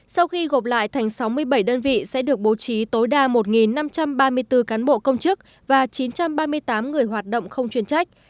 sau khi gộp lại thành sáu mươi bảy đơn vị sẽ được bố trí tối đa một năm trăm ba mươi bốn cán bộ công chức và chín trăm ba mươi tám người hoạt động không chuyên trách